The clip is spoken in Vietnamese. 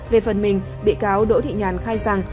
về phần mình bị cáo đỗ thị nhàn khai rằng